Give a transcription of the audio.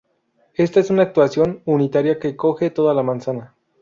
Esta es una actuación unitaria que coge toda la manzana.